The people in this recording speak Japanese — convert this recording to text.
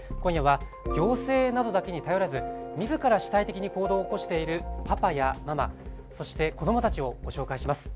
行政などだけに頼らず自ら主体的に行動を起こしているパパやママそして子どもたちをご紹介します。